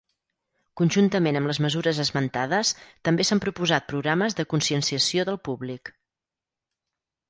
Conjuntament amb les mesures esmentades, també s'han proposat programes de conscienciació del públic.